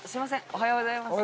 おはようございます。